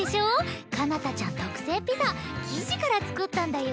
彼方ちゃん特製ピザ生地から作ったんだよ。